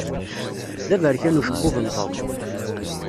D aberkan ucebbub n Tom.